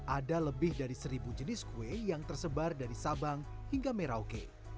ada lebih dari seribu jenis kue yang tersebar dari sabang hingga merauke